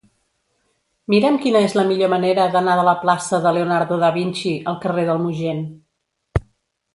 Mira'm quina és la millor manera d'anar de la plaça de Leonardo da Vinci al carrer del Mogent.